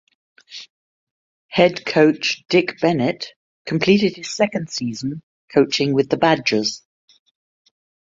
Head coach Dick Bennett completed his second season coaching with the Badgers.